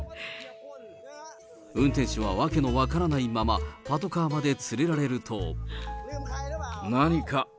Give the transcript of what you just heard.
運転手は訳の分からないまま、パトカーまで連れられると。